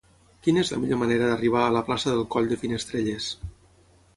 Quina és la millor manera d'arribar a la plaça del Coll de Finestrelles?